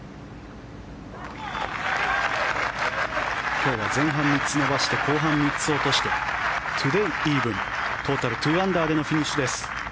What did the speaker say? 今日は前半３つ伸ばして後半３つ落としてトゥデーイーブントータル２アンダーでのフィニッシュです。